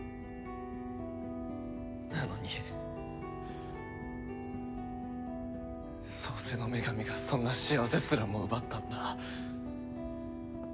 なのに創世の女神がそんな幸せすらも奪ったんだ。